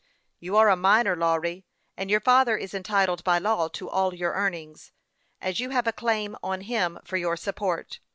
You are a minor, Lawry ; and your father is entitled by law to all your earnings, as you have a claim on him for your support.